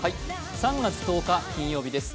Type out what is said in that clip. ３月１０日金曜日です。